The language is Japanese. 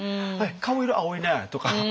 「顔色青いね！」とか。